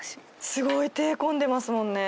すごい手込んでますもんね